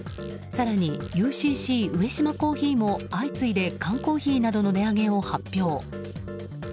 ＵＣＣ上島珈琲も、相次いで缶コーヒーなどの値上げを発表。